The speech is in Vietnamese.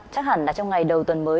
chắc hẳn là trong ngày đầu tuần mới